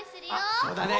あそうだね。